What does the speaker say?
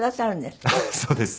そうです。